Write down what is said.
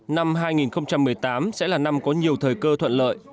năm hai nghìn một mươi tám sẽ là năm có nhiều thời cơ thuận lợi